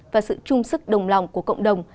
và sự chung sức đồng lòng của cộng đồng